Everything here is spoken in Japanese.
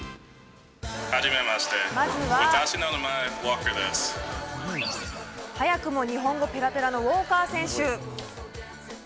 まずは早くも日本語ペラペラのウォーカー選手。